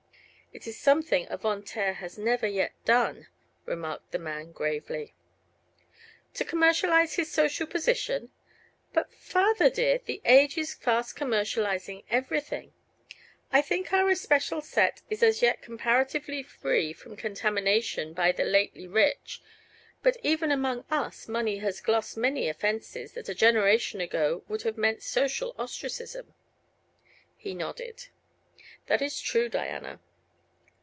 "It is something a Von Taer has never yet done," remarked the man, gravely. "To commercialize his social position? But, father dear, the age is fast commercializing everything. I think our especial set is as yet comparatively free from contamination by the 'lately rich'; but even among us money has glossed many offenses that a generation ago would have meant social ostracism." He nodded. "That is true, Diana."